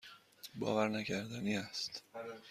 باورنکردنی است.